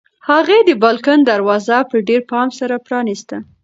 هغې د بالکن دروازه په ډېر پام سره پرانیسته.